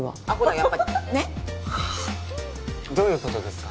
やっぱりねっどういうことですか？